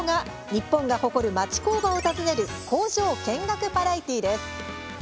日本が誇る町工場を訪ねる工場見学バラエティーです。